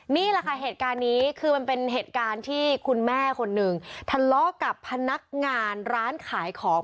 นี่แหละค่ะเหตุการณ์นี้คือมันเป็นเหตุการณ์ที่คุณแม่คนหนึ่งทะเลาะกับพนักงานร้านขายของ